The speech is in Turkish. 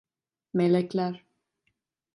Melekler.